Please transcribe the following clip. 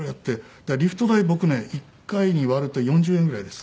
だからリフト代僕ね１回に割ると４０円ぐらいです。